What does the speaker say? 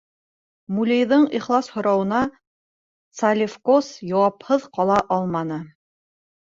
Мулейҙың ихлас һорауына Цалевкос яуапһыҙ ҡала алманы.